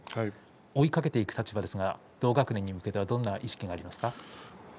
追いかけていく立場ですが同学年に向けてどんな意識がありますか。